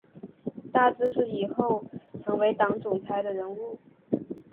大字是以后成为党总裁的人物